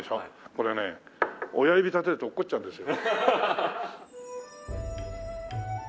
これね親指立てると落っこちちゃうんですよ。